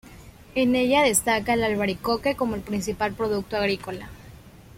En ella destaca el albaricoque como el principal producto agrícola.